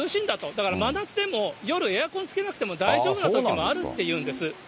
だから真夏でも夜、エアコンつけなくても大丈夫なときもあるっていうんです。